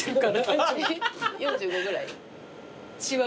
４５ぐらい？